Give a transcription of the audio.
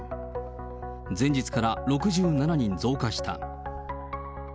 前日から６７人増加した。